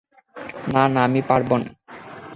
না, না, আমি পারব না।